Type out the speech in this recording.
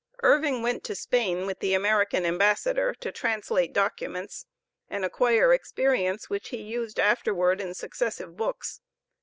Irving went to Spain with the American Ambassador to translate documents and acquire experience which he used afterward in successive books.